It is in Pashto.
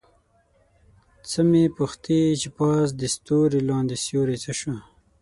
څه مې پوښتې چې پاس دې ستوری لاندې سیوری څه شو؟